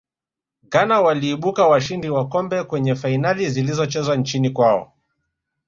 ghana waliibuka washindi wa kombe kwenye fainali zilizochezwa nchini kwao